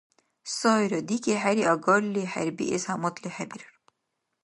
Сайра, диги-хӀери агарли хӀербиэс гьамадли хӀебирар.